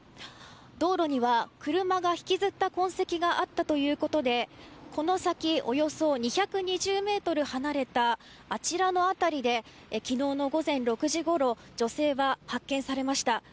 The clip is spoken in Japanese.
道路には、車が引きずった痕跡があったということでこの先およそ２２０メートル離れたあちらの辺りで昨日の午前６時ごろ女性は、発見されました。